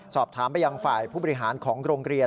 สอบถามไปยังฝ่ายผู้บริหารของโรงเรียน